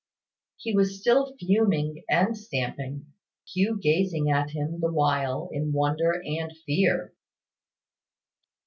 He was still fuming and stamping, Hugh gazing at him the while in wonder and fear.